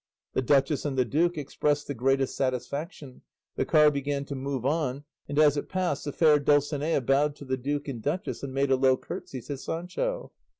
The duchess and the duke expressed the greatest satisfaction, the car began to move on, and as it passed the fair Dulcinea bowed to the duke and duchess and made a low curtsey to Sancho.